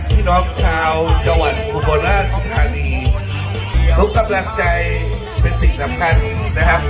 พี่น้องชาวจังหวัดอุบลราชธานีทุกกำลังใจเป็นสิ่งสำคัญนะครับ